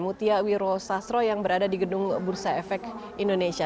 mutia wiro sastro yang berada di gedung bursa efek indonesia